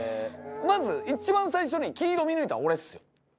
まず一番最初に黄色見抜いたんは俺ですよ。